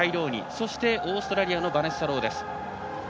そして、オーストラリアのバネッサ・ロー。